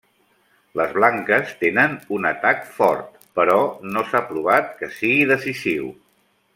Les blanques tenen un atac fort, però no s'ha provat que sigui decisiu.